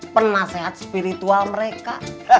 penasehat spiritual mereka